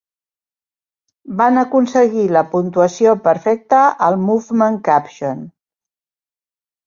Van aconseguir la puntuació Perfecta al Movement Caption.